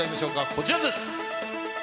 こちらです。